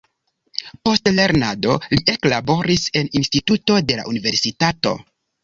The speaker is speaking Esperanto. Post lernado li eklaboris en instituto de la universitato.